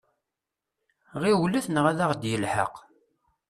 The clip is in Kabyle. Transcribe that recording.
Ɣiflet neɣ ad ɣ-d-yelḥeq!